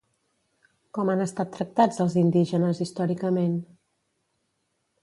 Com han estat tractats els indígenes històricament?